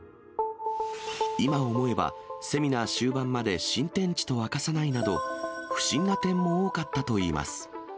今思えば、セミナー終盤まで新天地と明かさないなど、不審な点も多かったといいます。